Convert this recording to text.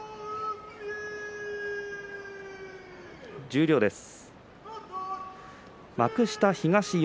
十両です。